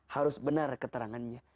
harus benar keterangannya